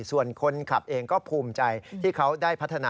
ผู้ขับเองก็ภูมิใจว่าเขาได้พัฒนา